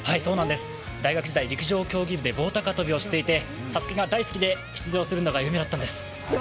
大学時代陸上競技部で棒高跳びをやっていて「ＳＡＳＵＫＥ」が大好きで出場するのが夢だったんです。